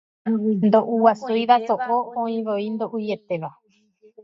Ndoʼuguasúiva soʼo oĩvoi ndoʼuietéva.